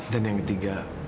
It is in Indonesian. dan yang ketiga